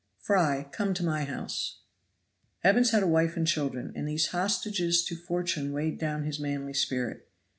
"Fry, come to my house." Evans had a wife and children, and these hostages to fortune weighed down his manly spirit.